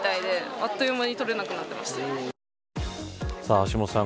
橋下さん